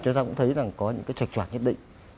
chúng ta cũng thấy rằng có những cái chật chọt nhất định